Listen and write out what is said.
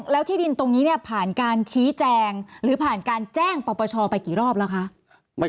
แล้วที่ดินตรงนี้เนี่ยผ่านการชี้แจงหรือผ่านการแจ้งปปชไปกี่รอบแล้วคะ